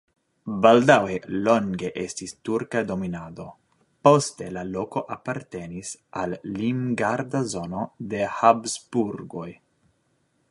Baldaŭe longe estis turka dominado, poste la loko apartenis al limgarda zono de Habsburgoj.